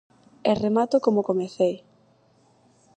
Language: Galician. E remato como comecei.